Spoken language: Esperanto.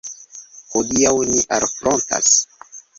Hodiaŭ ni alfrontas.